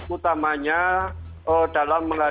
utamanya dalam mengadakan